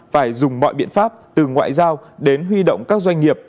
phải dùng mọi biện pháp từ ngoại giao đến huy động các doanh nghiệp